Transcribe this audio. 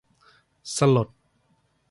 สลด